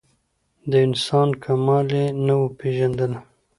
د انسان کمال یې نه وو پېژندلی